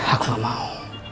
aku gak mau